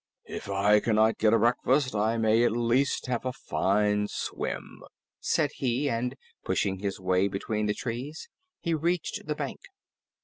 "If I cannot get a breakfast, I may at least have a fine swim," said he, and pushing his way between the trees, he reached the bank.